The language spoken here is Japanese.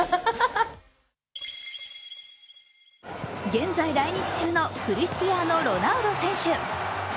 現在来日中のクリスティアーノ・ロナウド選手。